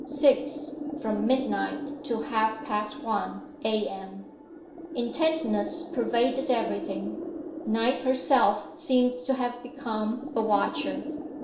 6. FROM MIDNIGHT TO HALF PAST ONE A.M. Intentness pervaded everything; Night herself seemed to have become a watcher.